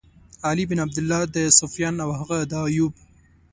علی بن عبدالله، د سُفیان او هغه د ایوب.